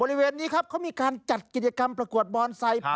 บริเวณนี้ครับเขามีการจัดกิจกรรมประกวดบอนไซค์